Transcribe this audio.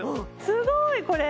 すごいこれ！